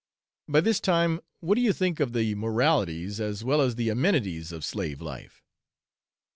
By this time, what do you think of the moralities, as well as the amenities, of slave life?